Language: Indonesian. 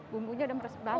bumbunya udah meresap banget